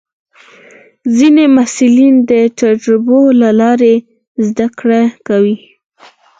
ځینې محصلین د تجربو له لارې زده کړه کوي.